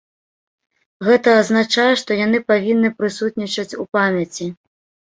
Гэта азначае, што яны павінны прысутнічаць у памяці.